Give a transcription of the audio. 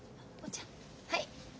はい。